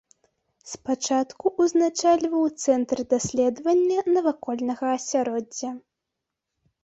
Спачатку ўзначальваў цэнтр даследавання навакольнага асяроддзя.